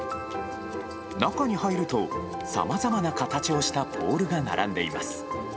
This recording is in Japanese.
中に入るとさまざまな形をしたボールが並んでいます。